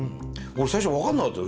俺最初分かんなかったよ